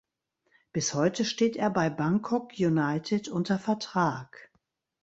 Bis heute steht er bei Bangkok United unter Vertrag.